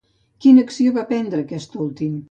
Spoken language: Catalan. Quina acció va prendre aquest últim?